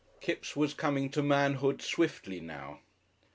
Kipps was coming to manhood swiftly now.